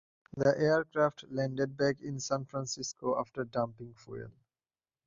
The aircraft landed back in San Francisco after dumping fuel.